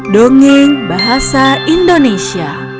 dongeng bahasa indonesia